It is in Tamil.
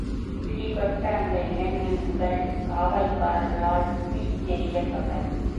பிடிபட்ட அந்த இளைஞன் உடல், காவல்காரர்களால் பிய்த்தெறியப்பட்டது.